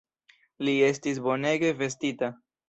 Li estis bonege vestita!